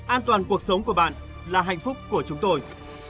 an toàn cuộc sống của bạn là hạnh phúc của chúng tôi